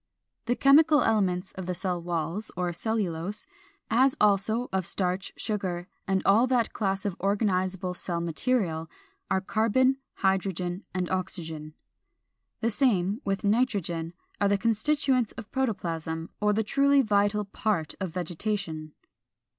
The chemical elements of the cell walls (or cellulose, 402), as also of starch, sugar, and all that class of organizable cell material, are carbon, hydrogen, and oxygen (399). The same, with nitrogen, are the constituents of protoplasm, or the truly vital part of vegetation.